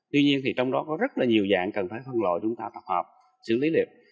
tuy nhiên thì trong đó có rất là nhiều dạng cần phải phân loại chúng ta tập hợp xử lý được